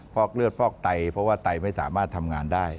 อกเลือดฟอกไตเพราะว่าไตไม่สามารถทำงานได้